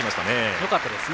よかったですね。